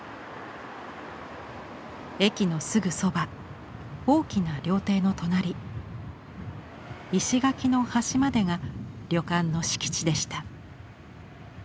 駅のすぐそば大きな料亭の隣石垣の端までが旅館の敷地でした。